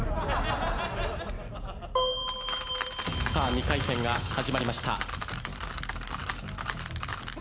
２回戦が始まりました。